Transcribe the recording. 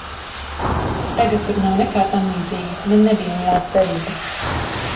Tagad tur nav nekā tamlīdzīga, man nebija lielas cerības.